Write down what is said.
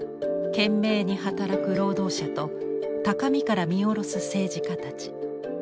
懸命に働く労働者と高みから見下ろす政治家たち。